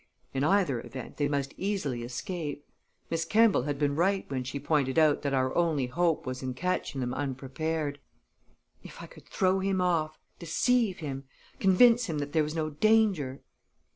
In either event, they must easily escape; Miss Kemball had been right when she pointed out that our only hope was in catching them unprepared. If I could throw him off, deceive him, convince him that there was no danger!